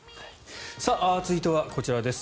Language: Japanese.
続いてはこちらです。